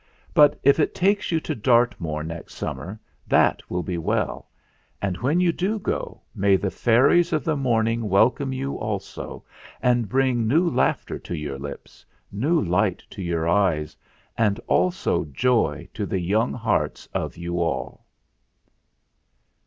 But if it takes you to Dartmoor next sum mer that will be well; and when you do go, may the Fairies of the Morning welcome you also, and bring new laughter to your lips, new light to your eyes, and also joy to the young hearts of you all.